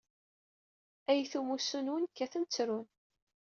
Ayt umussu-nwen kkaten, ttrun.